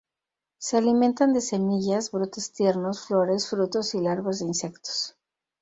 Se alimentan de semillas, brotes tiernos, flores, frutos y larvas de insectos.